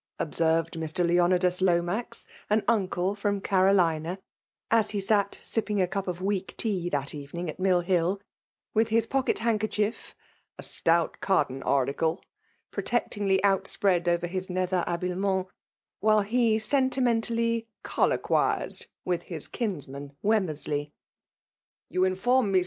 ohsenred Mr. Leonidaa liOmax, the uncle from Cszolina, as he sat sipping^ at^up of weak tea that even ing at Mill Hillj with his pocket handkerchie£ a " stout cotton article/' piaotectingly outspread over his nether habiliments, while he senti mentally '' coUoquized with his kinsman Wem mersley. " Youinfonn me.